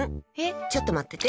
ちょっと待ってて。